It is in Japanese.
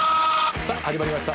さぁ始まりました